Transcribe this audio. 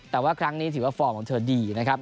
แต่ว่าครั้งนี้ถือว่าฟอร์มของเธอดีนะครับ